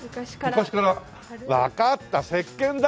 昔からわかったせっけんだ。